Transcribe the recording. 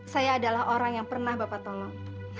saya adalah orang yang pernah bapak tolong